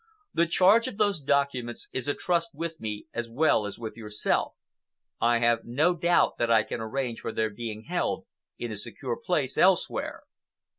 "The charge of those documents is a trust with me as well as with yourself. I have no doubt that I can arrange for their being held in a secure place elsewhere."